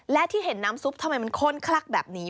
และที่เห็นน้ำซุปทำไมมันข้นคลักแบบนี้